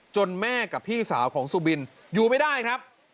แม่กับพี่สาวของสุบินอยู่ไม่ได้ครับ